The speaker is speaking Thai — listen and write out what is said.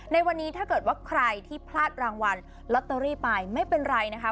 ในวันนี้ถ้าเกิดว่าใครที่พลาดรางวัลลอตเตอรี่ไปไม่เป็นไรนะคะ